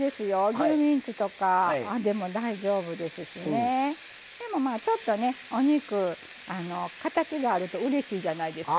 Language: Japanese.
牛ミンチとかでも大丈夫ですしちょっとお肉、形があるとうれしいじゃないですか。